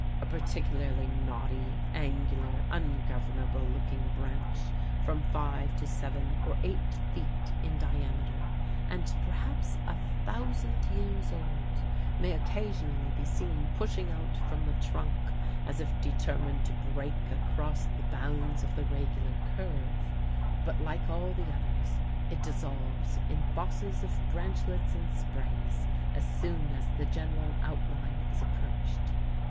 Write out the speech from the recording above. A particularly knotty, angular, ungovernable looking branch, from five to seven or eight feet in diameter, and perhaps a thousand years old, may occasionally be seen pushing out from the trunk as if determined to break across the bounds of the regular curve, but like all the others it dissolves in bosses of branchlets and sprays as soon as the general outline is approached.